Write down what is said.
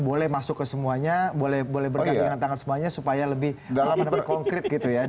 boleh masuk ke semuanya boleh bergadangan tangan semuanya supaya lebih konkret gitu ya